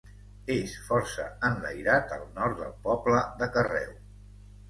És força enlairat al nord del poble de Carreu.